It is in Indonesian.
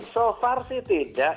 so far sih tidak